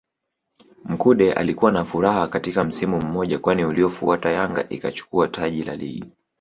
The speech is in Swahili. Mkude alikuwa na furaha katika msimu mmoja kwani uliofuata Yanga ikachukua taji la Ligi